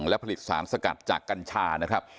และผลิตสารสกัดจากกัญชานะครับ